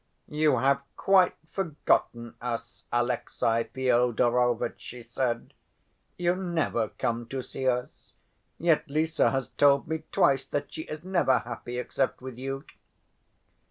"You have quite forgotten us, Alexey Fyodorovitch," she said; "you never come to see us. Yet Lise has told me twice that she is never happy except with you."